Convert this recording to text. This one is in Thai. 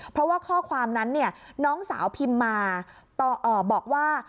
เพราะว่าข้อความนั้นน้องสาวพิมพ์มาบอกว่า